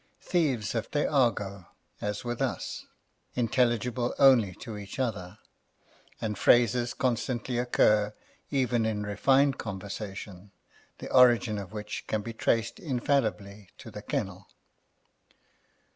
Thieves have their argot, as with us, intelligible only to each other; and phrases constantly occur, even in refined conversation, the original of which can be traced infallibly to the kennel.